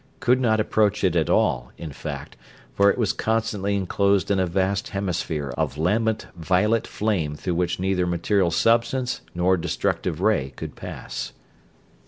Could not approach it at all, in fact, for it was constantly inclosed in a vast hemisphere of lambent violet flame through which neither material substance nor destructive ray could pass.